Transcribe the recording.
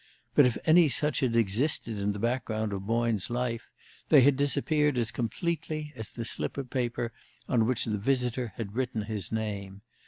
But if any such had existed in the background of Boyne's life, they had disappeared as completely as the slip of paper on which the visitor had written his name.